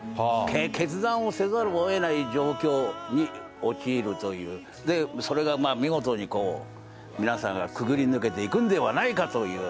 決断をせざるをえない状況に陥るという、それが見事にこう、皆さんがくぐり抜けていくんではないかという。